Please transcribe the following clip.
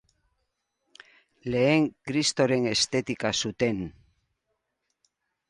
Lehen, kristoren estetika zuten!